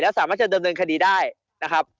แล้วสามารถจะเดินเกินคดีได้นะครับ